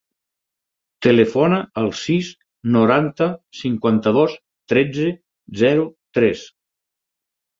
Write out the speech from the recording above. Telefona al sis, noranta, cinquanta-dos, tretze, zero, tres.